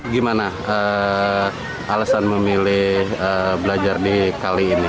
gimana alasan memilih belajar di kali ini